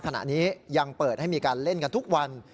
ขณะนี้ยังเปิดให้มีการเล่นกันทุกวัน